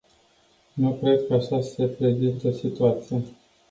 Nu cred că așa se prezintă situația.